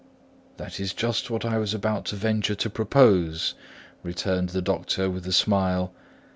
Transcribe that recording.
"That is just what I was about to venture to propose," returned the doctor with a smile.